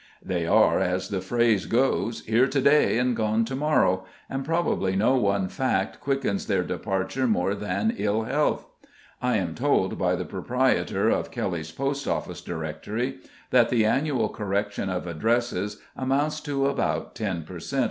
They are, as the phrase goes, "Here to day and gone to morrow," and probably no one fact quickens their departure more than ill health. I am told by the proprietor of Kelly's Post Office Directory that the annual correction of addresses amounts to about ten per cent.